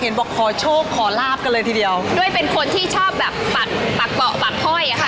บอกขอโชคขอลาบกันเลยทีเดียวด้วยเป็นคนที่ชอบแบบปักปักเกาะปักห้อยอ่ะค่ะ